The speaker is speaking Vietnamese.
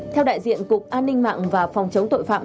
theo đại diện cục an ninh mạng và phòng chống tội phạm